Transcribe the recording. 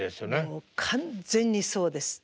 もう完全にそうです。